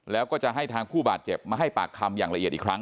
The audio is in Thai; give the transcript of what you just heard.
แล้วก็จะให้ทางผู้บาดเจ็บมาให้ปากคำอย่างละเอียดอีกครั้ง